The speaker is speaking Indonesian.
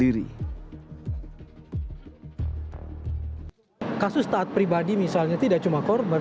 di curigai berpotensi membocorkan cerita ini hilang juga kalau masa lagi dua korban